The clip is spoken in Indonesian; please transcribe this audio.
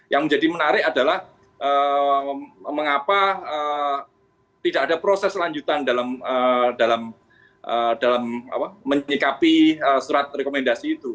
yang menjadi menarik adalah mengapa tidak ada proses lanjutan dalam menyikapi surat rekomendasi itu